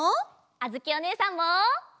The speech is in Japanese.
あづきおねえさんも！